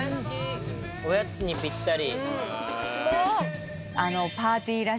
おやつにぴったり。